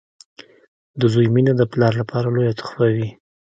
• د زوی مینه د پلار لپاره لویه تحفه وي.